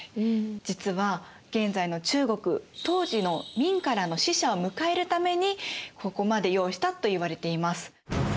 実は現在の中国当時の明からの使者を迎えるためにここまで用意したといわれています。